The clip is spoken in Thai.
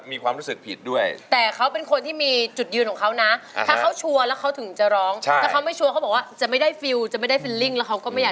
ไม่เป็นไรนะครับว่าเรา